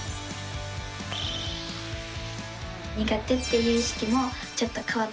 苦手っていう意識もちょっと変わったのかなと。